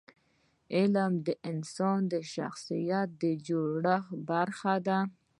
علم د انسان د شخصیت د جوړښت برخه ده.